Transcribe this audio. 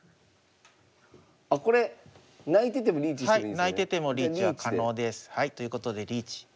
ないててもリーチは可能です。ということでリーチ。